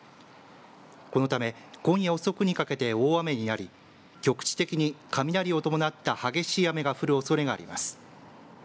このため、今夜遅くにかけて大雨になり局地的に雷を伴った激しい雨が降るおそれがあります。